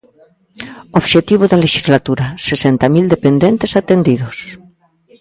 Obxectivo da lexislatura: sesenta mil dependentes atendidos.